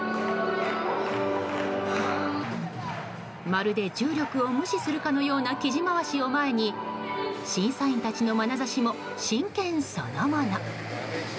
まるで重力を無視するかのような生地回しを前に審査員たちのまなざしも真剣そのもの。